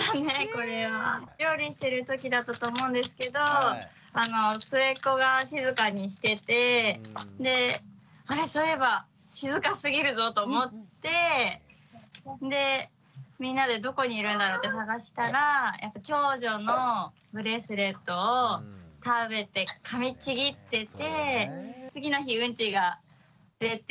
これは。料理してるときだったと思うんですけど末っ子が静かにしててであれっそういえば静かすぎるぞと思ってでみんなでどこにいるんだろうって捜したら長女のブレスレットを食べてかみちぎってて。